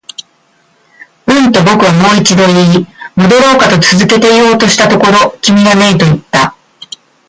うん、と僕はもう一度言い、戻ろうかと続けて言おうとしたところ、君がねえと言った